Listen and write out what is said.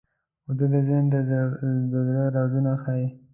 ویده ذهن د زړه رازونه ښيي